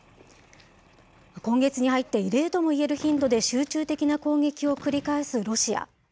今月に入って異例ともいえる頻度で集中的な攻撃を繰り返すロシア。